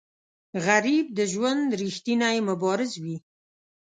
غریب د ژوند ریښتینی مبارز وي